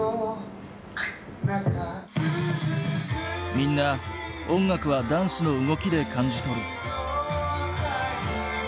みんな音楽はダンスの動きで感じ取る。